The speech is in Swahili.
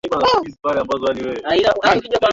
haina maana kwamba ukiwa na baraza dogo basi